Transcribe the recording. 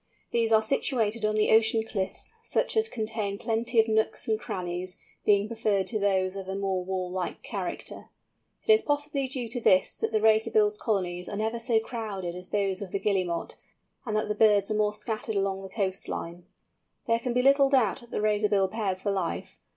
These are situated on the ocean cliffs, such as contain plenty of nooks and crannies being preferred to those of a more wall like character. It is possibly due to this that the Razorbill's colonies are never so crowded as those of the Guillemot, and that the birds are more scattered along the coastline. There can be little doubt that the Razorbill pairs for life.